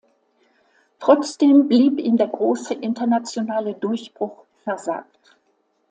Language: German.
Trotzdem blieb ihm der große internationale Durchbruch versagt.